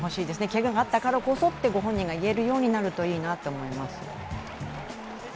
けががあったらからこそとご本人が言えるようになるといいと思います。